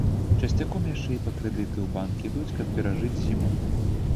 Часцяком яшчэ і па крэдыты ў банк ідуць, каб перажыць зіму.